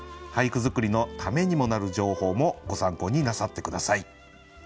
俳句作りのためにもなる情報もご参考になさって下さい。